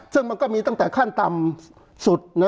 ซึ่งมันก็มีตั้งแต่ขั้นต่ำสุด